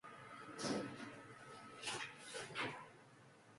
수면의 필요성에 대해서는 이미 과학적으로 얼마나 많이 입증됐는데요.